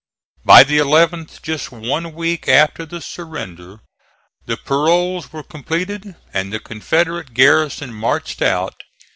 By the eleventh, just one week after the surrender, the paroles were completed and the Confederate garrison marched out.